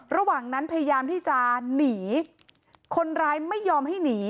ระหว่างนั้นพยายามที่จะหนีคนร้ายไม่ยอมให้หนี